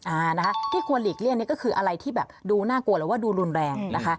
อ่านะคะที่ควรหลีกเลี่ยงนี่ก็คืออะไรที่แบบดูน่ากลัวหรือว่าดูรุนแรงนะคะ